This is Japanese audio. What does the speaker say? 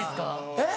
えっ？